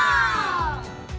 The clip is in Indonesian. masuk pak eko